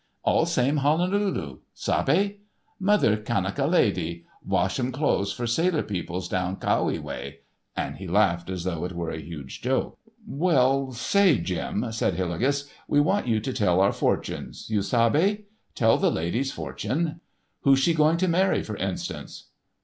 "All same Honolulu. Sabe? Mother Kanaka lady—washum clothes for sailor peoples down Kaui way," and he laughed as though it were a huge joke. "Well, say, Jim," said Hillegas; "we want you to tell our fortunes. You sabe? Tell the lady's fortune. Who she going to marry, for instance."